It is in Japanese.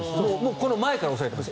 この前から押さえてます。